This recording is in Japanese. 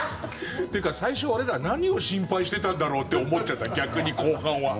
っていうか最初、俺ら何を心配してたんだろうって思っちゃった、逆に後半は。